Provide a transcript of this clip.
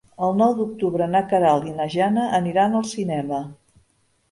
El nou d'octubre na Queralt i na Jana aniran al cinema.